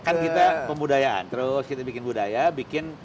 kan kita pembudayaan terus kita bikin budaya bikin